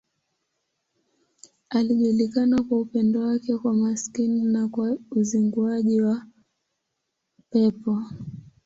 Alijulikana kwa upendo wake kwa maskini na kwa uzinguaji wa pepo.